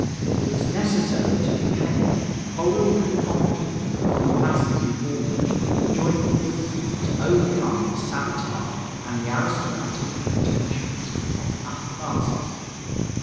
It was necessary to depend wholly and confidently upon the masses in order, jointly with them, to overcome the sabotage and the aristocratic pretensions of the upper classes.